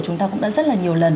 chúng ta cũng đã rất là nhiều lần